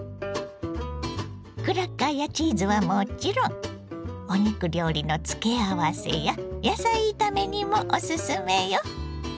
クラッカーやチーズはもちろんお肉料理の付け合わせや野菜炒めにもオススメよ！